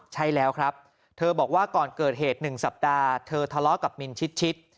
ใช่แล้วครับเธอบอกว่าก่อนเกิดเหตุ๑สัปดาห์เธอทะเลาะกับมินชิด